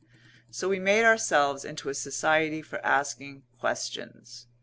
So we made ourselves into a society for asking questions.